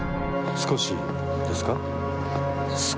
少しです。